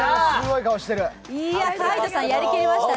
海音さん、やりきりましたね。